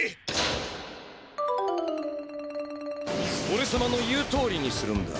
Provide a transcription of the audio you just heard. おれさまの言うとおりにするんだ。